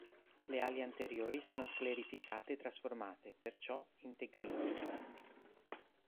Le ali anteriori sono sclerificate e trasformate, perciò, in tegmine.